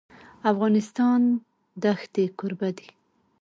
افغانستان د ښتې کوربه دی.